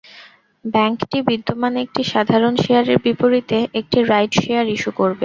ব্যাংকটি বিদ্যমান একটি সাধারণ শেয়ারের বিপরীতে একটি রাইট শেয়ার ইস্যু করবে।